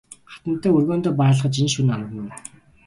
Хатантан өргөөндөө бараалхаж энэ шөнө амарна уу?